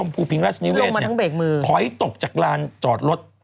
ถอยตกจากรานจอดรถ